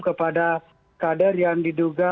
kepada kader yang diduga